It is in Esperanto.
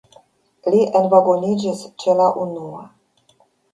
Li envagoniĝis ĉe la unua.